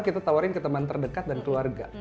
kita tawarin ke teman terdekat dan keluarga